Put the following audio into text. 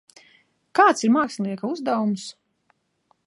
Kāds ir mākslinieka uzdevums?